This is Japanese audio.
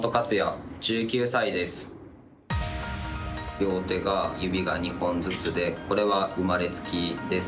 両手が、指が２本ずつでこれは生まれつきです。